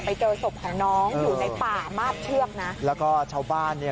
ไปเจอศพของน้องอยู่ในป่ามาบเชือกนะแล้วก็ชาวบ้านเนี่ย